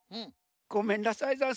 ごめんなさいざんす。